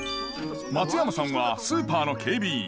松山さんはスーパーの警備員。